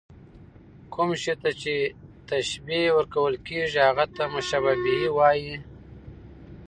کوم شي ته چي تشبیه ورکول کېږي؛ هغه ته مشبه وايي.